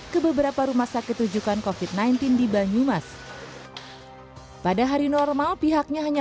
ke beberapa rumah sakit rujukan covid sembilan belas di banyumas pada hari normal pihaknya hanya